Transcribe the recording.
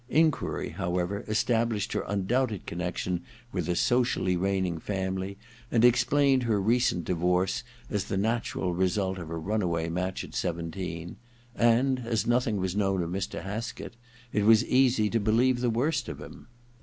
Enquiry, however, established her undoubted connection with a socially reigning family, and explained her recent divorce as the natural result of a runaway match at seventeen ; and as nothing was known of Mr. Haskett it was easy to believe the worst of him.